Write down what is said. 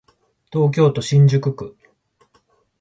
東京都新宿区